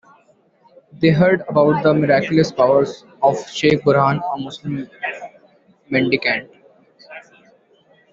They heard about the miraculous powers of the Shaikh Burhan, a Muslim mendicant.